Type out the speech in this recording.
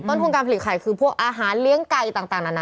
ต้นทุนการผลิตไข่คือพวกอาหารเลี้ยงไก่ต่างนานา